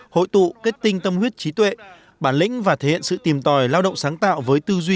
hội tụ kết tinh tâm huyết trí tuệ bản lĩnh và thể hiện sự tìm tòi lao động sáng tạo với tư duy